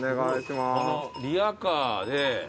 リヤカーで。